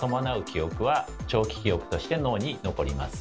記憶は長期記憶として脳に残ります。